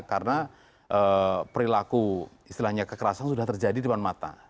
karena perilaku istilahnya kekerasan sudah terjadi di depan mata